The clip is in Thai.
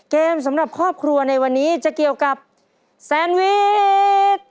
สำหรับครอบครัวในวันนี้จะเกี่ยวกับแซนวิช